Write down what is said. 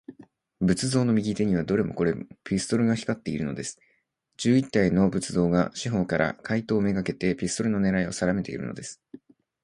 仏像の右手には、どれもこれも、ピストルが光っているのです。十一体の仏像が、四ほうから、怪盗めがけて、ピストルのねらいをさだめているのです。